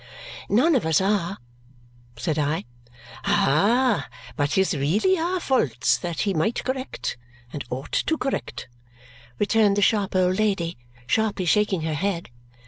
"None of us are," said I. "Ah! But his really are faults that he might correct, and ought to correct," returned the sharp old lady, sharply shaking her head.